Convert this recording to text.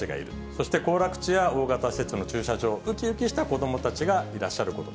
そして行楽地や大型施設の駐車場、うきうきした子どもたちがいらっしゃること。